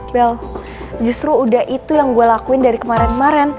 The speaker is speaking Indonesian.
bel justru udah itu yang gue lakuin dari kemarin kemarin